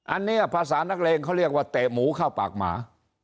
อันนี้ภาษานักเลงเขาเรียกว่าเตะหมูเข้าปากหมา